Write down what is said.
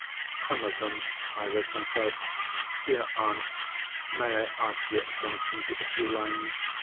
Some of them I wrote myself. "Dear aunt, may I ask your attention to a few lines?"